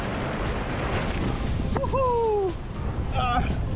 meter dan panjangnya itu bentuk donc empat ratus tujuh puluh lima m thrend